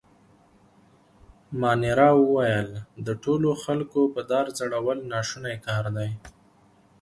مانیرا وویل: د ټولو خلکو په دار ځړول ناشونی کار دی.